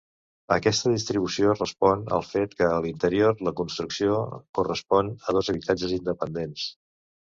Aquesta distribució respon al fet que a l'interior la construcció correspon a dos habitatges independents.